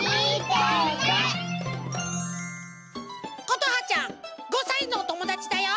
ことはちゃん５さいのおともだちだよ。